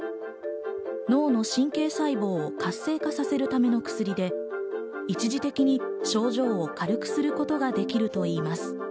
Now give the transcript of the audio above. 脳の神経細胞を活性化させるための薬で、一時的に症状を軽くすることができるといいます。